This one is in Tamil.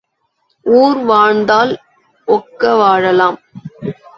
ஊர் வாழ்ந்தால் ஒக்க வாழலாம்.